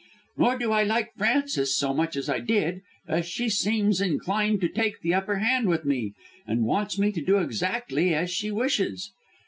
Nor do I like Frances so much as I did, as she seems inclined to take the upper hand with me, and wants me to do exactly as she wishes.